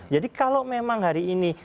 jadi kalau memang hari ini